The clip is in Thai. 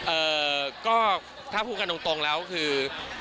เออก็ถ้าพูดกันตรงว่านะคือ